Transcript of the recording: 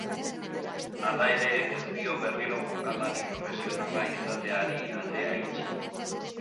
Hala ere, ez dio berriro jokalari profesionala izateari atea itxi.